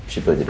situ aja deh